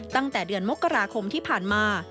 ตั้งแต่เดือนมกราคมที่ผ่านมา